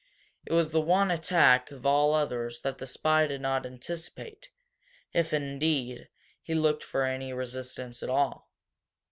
It was the one attack of all others that the spy did not anticipate, if, indeed, he looked for any resistance at all.